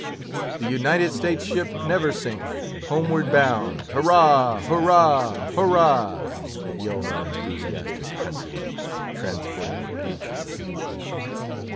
"The United States ship Neversink, homeward bound." "Hurrah! hurrah! hurrah!" yelled our enthusiastic countryman, transported with patriotism.